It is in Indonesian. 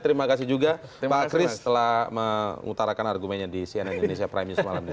terima kasih juga pak kris telah mengutarakan argumennya di cnn indonesia prime news malam ini